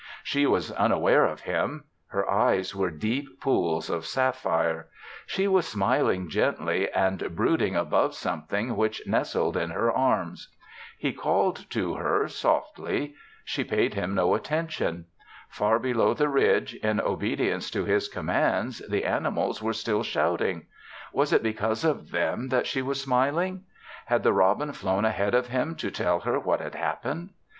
She was unaware of him. Her eyes were deep pools of sapphire. She was smiling gently and brooding above something which nestled in her arms. He called to her softly; she paid him no attention. Far below the ridge, in obedience to his commands, the animals were still shouting. Was it because of them that she was smiling? Had the robin flown ahead of him to tell her what had happened?